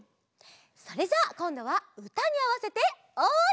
それじゃあこんどはうたにあわせておい！